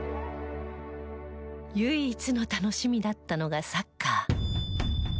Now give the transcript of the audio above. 唯一の楽しみだったのがサッカー。